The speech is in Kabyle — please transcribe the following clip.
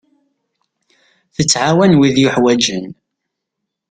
Tettɛawan wid yeḥwaǧen.